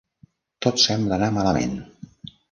Tot sembla anar malament.